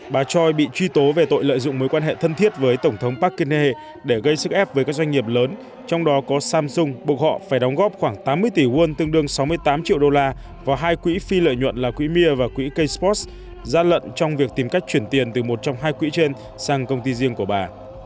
bà choi bị truy tố về tội lợi dụng mối quan hệ thân thiết với tổng thống parkene để gây sức ép với các doanh nghiệp lớn trong đó có samsung buộc họ phải đóng góp khoảng tám mươi tỷ won tương đương sáu mươi tám triệu đô la vào hai quỹ phi lợi nhuận là quỹ mir và quỹ ksport gian lận trong việc tìm cách chuyển tiền từ một trong hai quỹ trên sang công ty riêng của bà